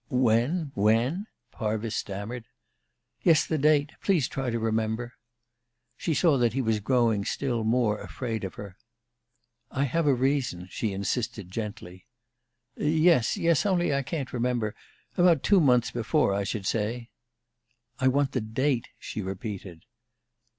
"When when?" Parvis stammered. "Yes; the date. Please try to remember." She saw that he was growing still more afraid of her. "I have a reason," she insisted gently. "Yes, yes. Only I can't remember. About two months before, I should say." "I want the date," she repeated.